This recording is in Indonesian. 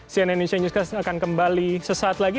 cnn indonesia newscast akan kembali sesaat lagi